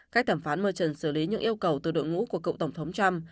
các thẩm phán merchon xử lý những yêu cầu từ đội ngũ của cựu tổng thống trump